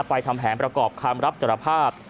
ไปทำแผนประกอบคามรับสรรพาท